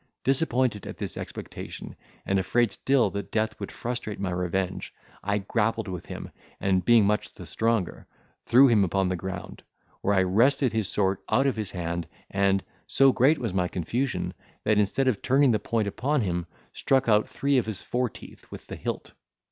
Disappointed at this expectation, and afraid still that death would frustrate my revenge, I grappled with him, and, being much the stronger, threw him upon the ground, where I wrested his sword out of his hand, and, so great was my confusion, that instead of turning the point upon him, struck out three of his foreteeth with the hilt.